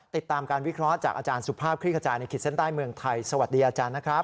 ติดตามการวิเคราะห์จากอาจารย์สุภาพคลิกขจายในขีดเส้นใต้เมืองไทยสวัสดีอาจารย์นะครับ